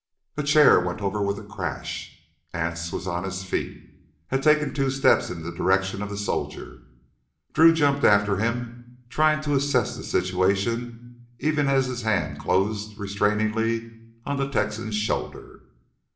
A chair went over with a crash. Anse was on his feet, had taken two steps in the direction of the soldier. Drew jumped after him, trying to assess the situation even as his hand closed restrainingly on the Texan's shoulder.